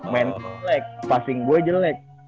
mental jelek passing gua jelek